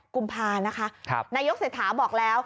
กุมภานะคะนายกเศรษฐาบอกแล้ว